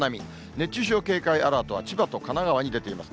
熱中症警戒アラートは千葉と神奈川に出ています。